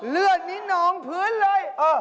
เลือดนี้หน่องผืนเลย